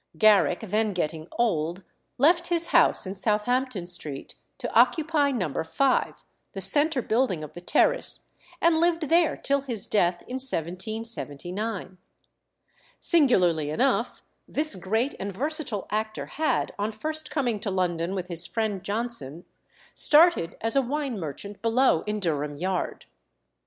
Garrick, then getting old, left his house in Southampton Street to occupy No. 5, the centre building of the terrace, and lived there till his death in 1779. Singularly enough, this great and versatile actor had, on first coming to London with his friend Johnson, started as a wine merchant below in Durham Yard.